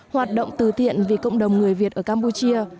hoạt động từ thiện vì cộng đồng người việt ở campuchia